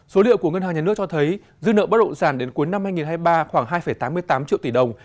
số liệu của ngân hàng nhà nước cho thấy dư nợ bất động sản đến cuối năm hai nghìn hai mươi ba khoảng hai tám mươi tám triệu tỷ đồng